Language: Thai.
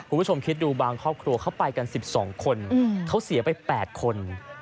คุณผู้ชมคิดดูบางครอบครัวเขาไปกัน๑๒คนเขาเสียไป๘คน